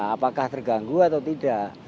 apakah terganggu atau tidak